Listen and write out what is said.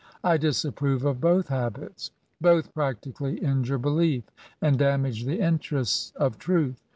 I disapprove of both habits. Both practically injure belief, and damage the interests of truth.